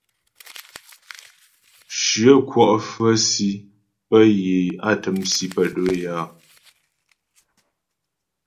Shyə kwɔ' fə̌ si pə́ yə á təm si pə́ do'o é áa.